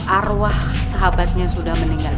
arwah sahabatnya sudah meninggal